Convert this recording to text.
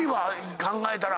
考えたら。